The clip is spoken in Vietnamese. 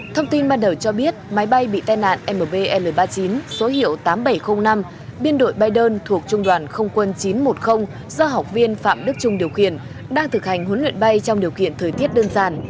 thông tin ban đầu cho biết máy bay bị tai nạn mbl ba mươi chín số hiệu tám nghìn bảy trăm linh năm biên đội bay đơn thuộc trung đoàn không quân chín trăm một mươi do học viên phạm đức trung điều khiển đang thực hành huấn luyện bay trong điều kiện thời tiết đơn giản